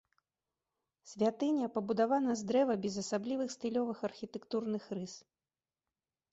Святыня пабудавана з дрэва без асаблівых стылёвых архітэктурных рыс.